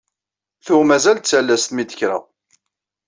Tuɣ mazal d tallast mi d-kkreɣ.